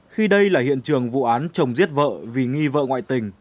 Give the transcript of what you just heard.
khi đây là hiện trường vụ án chồng giết vợ vì nghi vợ